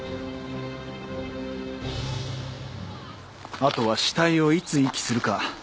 あとは死体をいつ遺棄するか？